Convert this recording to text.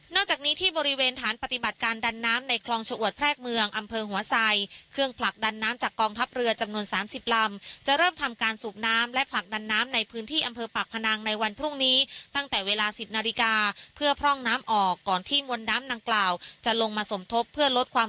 จากนี้ที่บริเวณฐานปฏิบัติการดันน้ำในคลองชะอวดแพรกเมืองอำเภอหัวไซเครื่องผลักดันน้ำจากกองทัพเรือจำนวน๓๐ลำจะเริ่มทำการสูบน้ำและผลักดันน้ำในพื้นที่อำเภอปากพนังในวันพรุ่งนี้ตั้งแต่เวลาสิบนาฬิกาเพื่อพร่องน้ำออกก่อนที่มวลน้ำดังกล่าวจะลงมาสมทบเพื่อลดความ